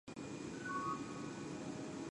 It is the third-largest county in Washington by area.